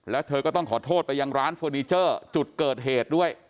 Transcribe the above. แล้วเธอก็ต้องขอโทษไปยังร้านเฟอร์นิเจอร์จุดเกิดเหตุด้วย